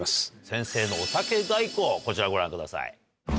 先生のお酒外交こちらご覧ください。